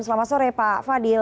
selamat sore pak fadil